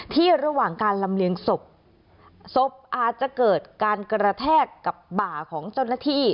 ระหว่างการลำเลียงศพศพอาจจะเกิดการกระแทกกับบ่าของเจ้าหน้าที่